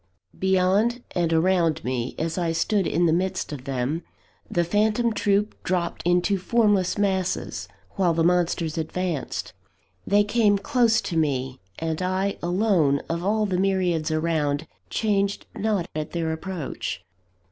Beyond and around me, as I stood in the midst of them, the phantom troop dropped into formless masses, while the monsters advanced. They came close to me; and I alone, of all the myriads around, changed not at their approach.